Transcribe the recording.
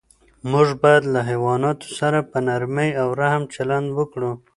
موږ باید له حیواناتو سره په نرمۍ او رحم چلند وکړو.